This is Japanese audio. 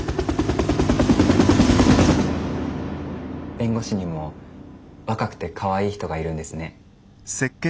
弁護士にも若くてかわいい人がいるんですね。